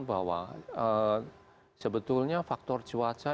bahwa sebetulnya faktor cuaca